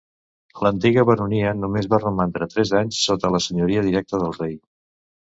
L'antiga baronia només va romandre tres anys sota la senyoria directa del rei.